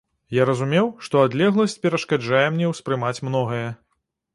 Я разумеў, што адлегласць перашкаджае мне ўспрымаць многае.